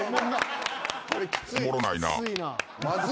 おもろないな。